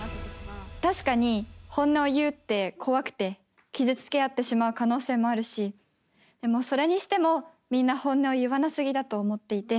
確かに、本音を言うって怖くて、傷つけ合ってしまう可能性もあるし、でもそれにしても、みんな本音を言わなすぎだと思っていて。